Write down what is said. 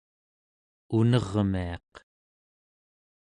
unermiaq